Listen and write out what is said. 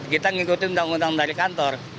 kita ngikutin undang undang dari kantor